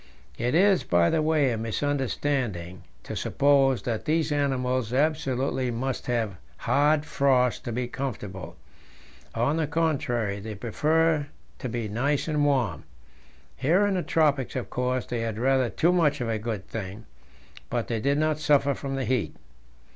It is, by the way, a misunderstanding to suppose that these animals absolutely must have hard frost to be comfortable; on the contrary, they prefer to be nice and warm. Here in the tropics of course they had rather too much of a good thing, but they did not suffer from the heat.